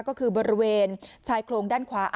ก็คือบริเวณชายโครงด้านขวา